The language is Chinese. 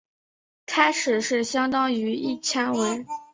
开始是相当于一千文。